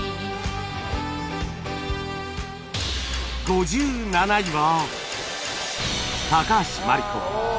５７位は